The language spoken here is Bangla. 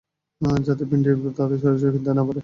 যাতে পীন্ডিরা তাদের সরাসরি কিনতে না পারে।